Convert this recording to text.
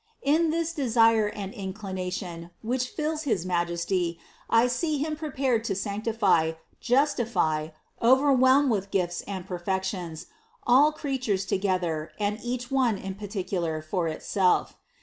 In this desire and inclination, which fills his Majesty I see Him prepared to sanctify, justify, overwhelm with gifts and perfections all crea tures together and each one in particular for itself.